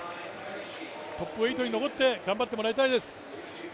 トップ８に残って頑張ってもらいたいです。